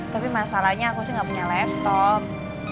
tapi masalahnya aku sih gak punya laptop